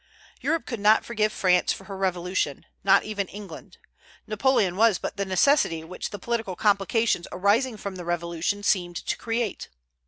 Europe could not forgive France for her Revolution, not even England; Napoleon was but the necessity which the political complications arising from the Revolution seemed to create.